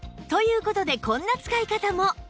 という事でこんな使い方も